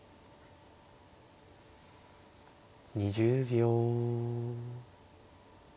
２０秒。